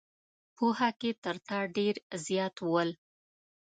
پوهه کې تر تا ډېر زیات ول.